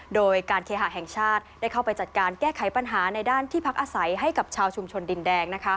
โดยการเคหะแห่งชาติได้เข้าไปจัดการแก้ไขปัญหาในด้านที่พักอาศัยให้กับชาวชุมชนดินแดง